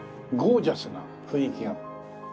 ゴージャスな雰囲気が。